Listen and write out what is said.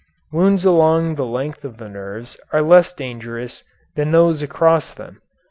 Wounds along the length of the nerves are less dangerous than those across them.